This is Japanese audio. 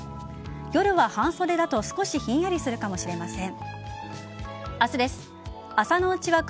夜は半袖だと少しひんやりするかもしれません。